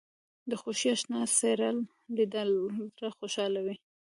د خوښۍ اشنا څېره لیدل زړه خوشحالوي